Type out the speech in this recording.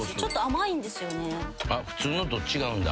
普通のと違うんだ。